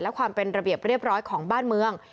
และความเป็นระเบียบเรียบร้อยของบ้านเมือง